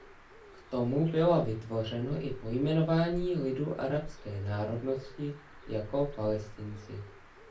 K tomu bylo vytvořeno i pojmenování lidu arabské národnosti jako „Palestinci“.